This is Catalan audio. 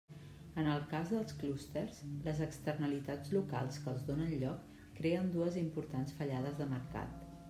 En el cas dels clústers, les externalitats locals que els donen lloc creen dues importants fallades de mercat.